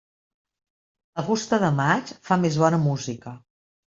La fusta de maig fa més bona música.